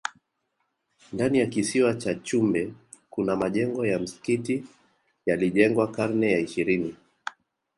ndani ya kisiwa cha chumbe kuna majengo ya msikiti yalijengwa karne ya ishirini